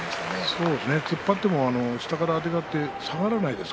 突っ張っても下からあてがって下がりません。